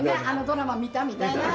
あのドラマ観た？みたいな。